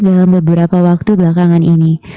dalam beberapa waktu belakangan ini